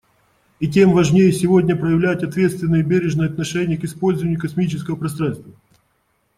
И тем важнее сегодня проявлять ответственное и бережное отношение к использованию космического пространства.